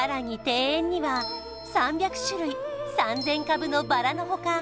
庭園には３００種類３０００株のバラの他